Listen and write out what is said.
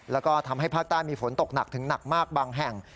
แล้วก็ทำให้ภาคใต้มีฝนตกหนักถึงหนักมากบางแห่ง